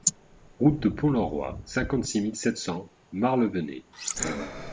Route de Pont Lorois, cinquante-six mille sept cents Merlevenez